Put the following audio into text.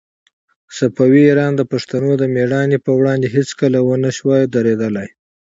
صفوي ایران د پښتنو د مېړانې په وړاندې هيڅکله ونه شوای درېدلای.